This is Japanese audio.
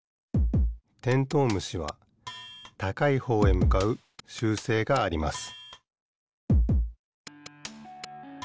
テントウムシはたかいほうへむかうしゅうせいがあります